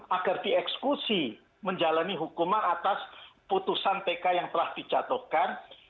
agar dieksekusi menjalani hukuman atas putusan tk yang telah dijatuhkan